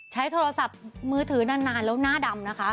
ใช้โทรศัพท์มือถือนานแล้วหน้าดำนะคะ